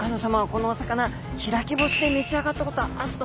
このお魚開き干しで召し上がったことあると思うんですよね。